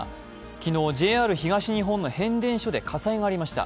昨日、ＪＲ東日本の変電所で火災がありました。